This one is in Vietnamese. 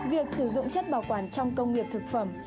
việc sử dụng chất bảo quản trong công nghiệp thực phẩm